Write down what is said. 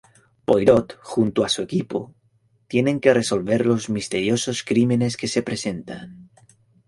Poirot junto a su equipo tienen que resolver los misteriosos crímenes que se presentan.